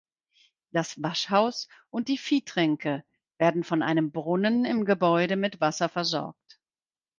Das Waschhaus und die Viehtränke werden von einem Brunnen im Gebäude mit Wasser versorgt.